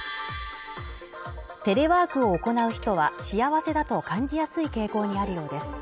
テレワークを行う人は幸せだと感じやすい傾向にあるようです